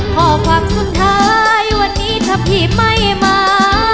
ข้อความสุดท้ายวันนี้ถ้าพี่ไม่มา